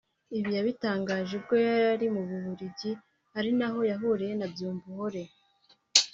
Ibi yabitangaje ubwo yari mu Bubiligi ari naho yahuriye na Byumvuhore